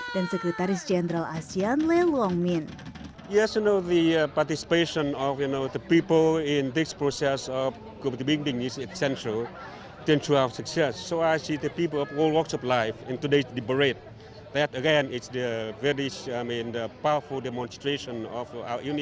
dan sekretaris jenderal asean leluang min